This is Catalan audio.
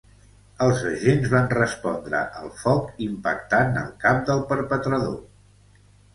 Els agents van respondre al foc, impactant al cap del perpetrador.